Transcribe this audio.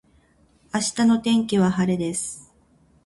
明日の天気は晴れです